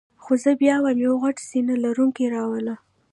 خو زه بیا وایم یو غټ سینه لرونکی را وله.